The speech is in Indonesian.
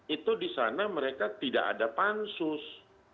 itu di sana mereka tidak ada pansus